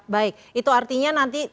baik itu artinya nanti